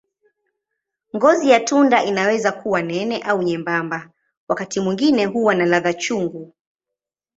Ngozi ya tunda inaweza kuwa nene au nyembamba, wakati mwingine huwa na ladha chungu.